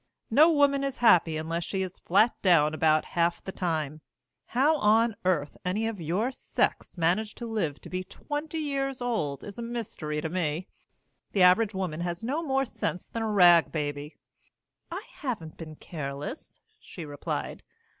No woman is happy unless she's flat down about half the time. How on earth any of your sex manage to live to be twenty years old is a mystery to me. The average woman has no more sense than a rag baby." "I haven't been careless," she replied.